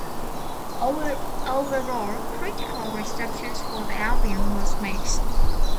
Overall, critical reception for the album was mixed.